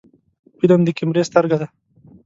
فلم د کیمرې سترګه ده